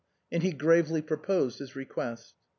And he gravely proposed his request.